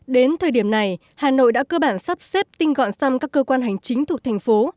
đến thời điểm này hà nội đã cơ bản sắp xếp tinh gọn xăm các cơ quan hành chính thuộc thành phố